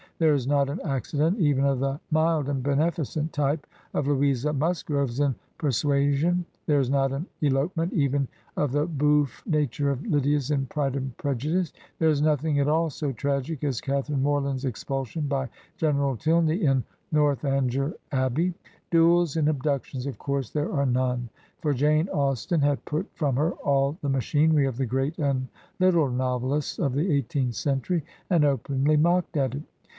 There is not an accident, even of the mild and beneficent type of Louisa Musgrove's in "Persua sion" ; there is not an elopement, even of the bouffe nat ure of Lydia's in "Pride and Prejudice"; there is noth ing at all so tragic as Catharine Morland's expulsion by General Tilney in " Northanger Abbey." Duels and abductions, of course, there are none; for Jane Austen had put from her all the machinery of the great and Uttle novelists of the eighteenth century, and openly mocked at it.